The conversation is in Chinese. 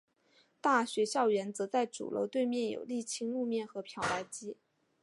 大学校园则在主楼对面有沥青路面和漂白机。